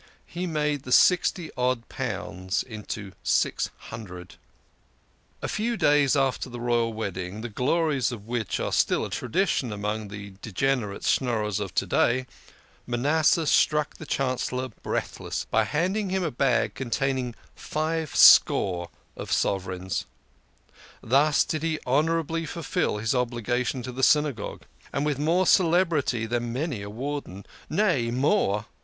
He made the sixty odd pounds into six hundred. : STRUCK THE CHANCELLOR BREATHLESS.' 156 THE KING OF SCHNORRERS. A few days after the Royal Wedding, the glories of which are still a tradition among the degenerate Schnorrers Of to day, Manasseh struck the Chancellor breathless by handing him a bag containing five score of sovereigns. Thus did he honourably fulfil his obligation to the Syna gogue, and with more celerity than many a Warden. Nay, more